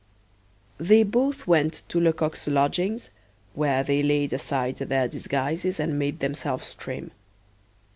They both went to Lecoq's lodgings, where they laid aside their disguises and made themselves trim.